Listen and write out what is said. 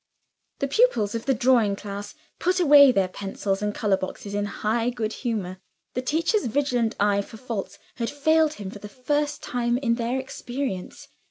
The pupils of the drawing class put away their pencils and color boxes in high good humor: the teacher's vigilant eye for faults had failed him for the first time in their experience.